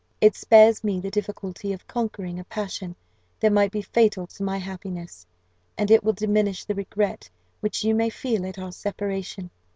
It spares me the difficulty of conquering a passion that might be fatal to my happiness; and it will diminish the regret which you may feel at our separation.